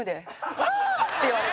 ハー！」って言われて。